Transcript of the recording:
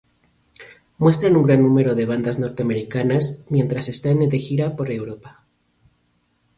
Muestra un gran número de bandas norteamericanas mientras están de gira por Europa.